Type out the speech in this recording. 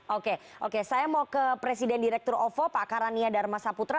oke oke saya mau ke presiden direktur ovo pak karania dharma saputra